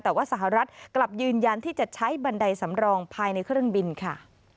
แต่ว่าสหรัฐกลับยืนยันที่จะใช้บันไดสำรองภายในเครื่องบินค่ะ